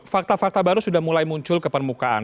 fakta fakta baru sudah mulai muncul ke permukaan